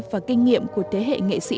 và kinh nghiệm của thế hệ nghệ sĩ